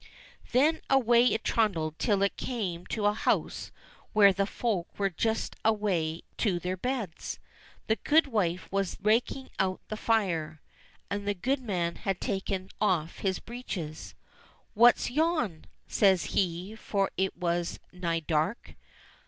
Then away it trundled till it came to a house where the folk were just away to their beds. The goodwife she was raking out the fire, and the goodman had taken off his breeches. "What's yon .?" says he, for it was nigh dark.